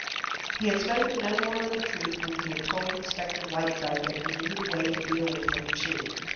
He had spoken no more than the truth when he had told Inspector Whiteside that he knew the way to deal with Ling Chu.